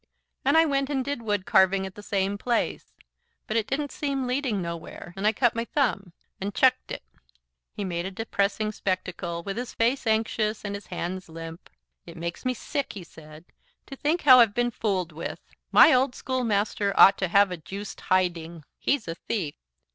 And I went and did wood carving at the same place. But it didn't seem leading nowhere, and I cut my thumb and chucked it." He made a depressing spectacle, with his face anxious and his hands limp. "It makes me sick," he said, "to think how I've been fooled with. My old schoolmaster ought to have a juiced HIDING. He's a thief.